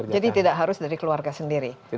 jadi tidak harus dari keluarga sendiri